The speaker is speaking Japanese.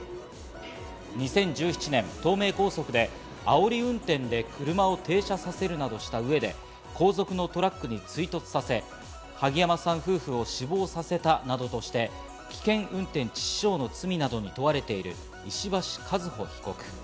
２０１７年、東名高速であおり運転で車を停車させるなどした上で、後続のトラックに追突させ、萩山さん夫婦を死亡させたなどとして、危険運転致死傷の罪などに問われている石橋和歩被告。